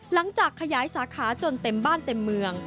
หลังจากขยายสาขาจนเต็มบ้านเต็มเมือง